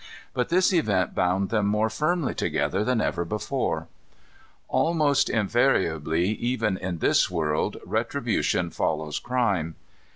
But this event bound them more firmly together than ever before. Almost invariably, even in this world, retribution follows crime.